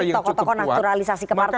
jadi dua ini tokoh tokoh naturalisasi ke partai